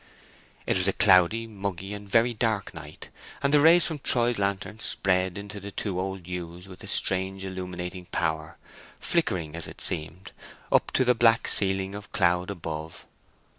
It was a cloudy, muggy, and very dark night, and the rays from Troy's lantern spread into the two old yews with a strange illuminating power, flickering, as it seemed, up to the black ceiling of cloud above.